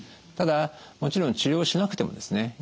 ただもちろん治療しなくてもですね